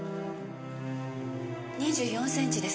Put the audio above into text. ２４センチです。